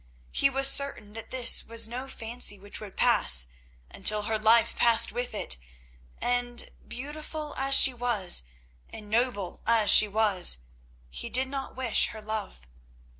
He was certain that this was no fancy which would pass—until her life passed with it, and, beautiful as she was, and noble as she was, he did not wish her love.